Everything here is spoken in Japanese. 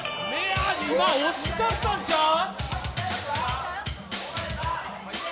今、惜しかったんちゃう？